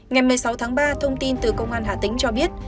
ngày một mươi sáu tháng ba thông tin từ công an hà tĩnh cho biết